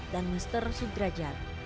dan mister sudrajat